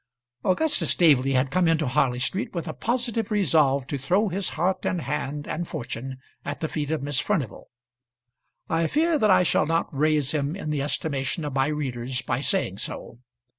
Augustus Staveley had come into Harley Street with a positive resolve to throw his heart and hand and fortune at the feet of Miss Furnival. I fear that I shall not raise him in the estimation of my readers by saying so.